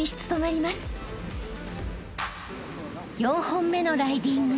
［４本目のライディング］